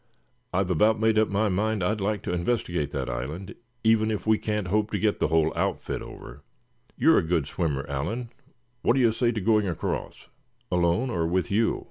"I've about made up my mind I'd like to investigate that island, even if we can't hope to get the whole outfit over. You're a good swimmer, Allan, what do you say to going across?" "Alone, or with you?"